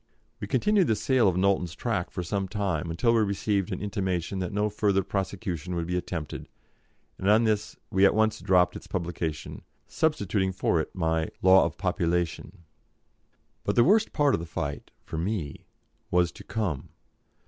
We continued the sale of Knowlton's tract for some time, until we received an intimation that no further prosecution would be attempted, and on this we at once dropped its publication, substituting for it my "Law of Population." [Illustration: CHARLES BRADLAUGH M.P.] But the worst part of the fight, for me, was to come.